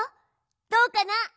どうかな？